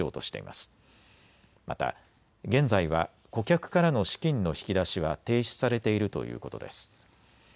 また現在は顧客からの資金の引き出しは停止されているということです。